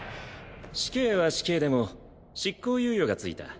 死刑は死刑でも執行猶予が付いた。